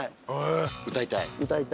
歌いたい？